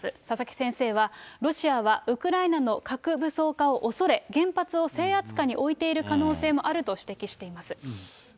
佐々木先生は、ロシアはウクライナの核武装化をおそれ、原発を制圧下に置いている可能性もあると指摘しています。